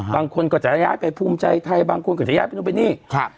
บางคนก็จะย้ายไปภูมิใจไทยบางคนก็จะย้ายไปนู่นไปนี่ครับ